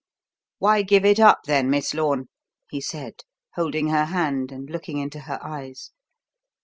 "Why give it up then, Miss Lorne?" he said, holding her hand and looking into her eyes.